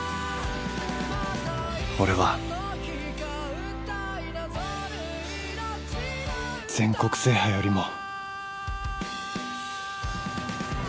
俺は全国制覇よりも。